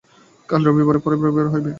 কাল রবিবারের পরের রবিবারে হইবে।